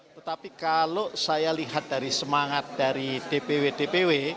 tetapi kalau saya lihat dari semangat dari dpw dpw